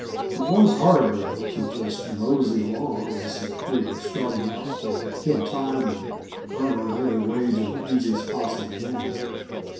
It was hard, though, to just "mosey" along as if we were starting out to kill time and earn our daily wage in the easiest possible manner.